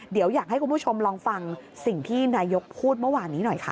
เดี๋ยวอยากให้คุณผู้ชมลองฟังสิ่งที่นายกพูดเมื่อวานนี้หน่อยค่ะ